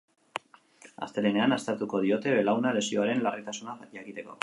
Astelehenean aztertuko diote belauna lesioaren larritasuna jakiteko.